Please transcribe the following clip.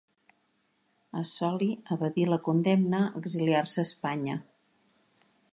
Assoli evadir la condemna exiliar-se a Espanya.